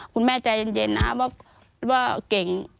คุณแม่ใจเย็นนะว่าเก่ง